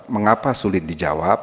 mengapa sulit dijawab